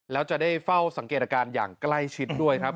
แล้วจะได้เฝ้าสังเกตอาการอย่างใกล้ชิดด้วยครับ